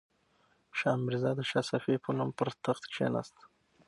سام میرزا د شاه صفي په نوم پر تخت کښېناست.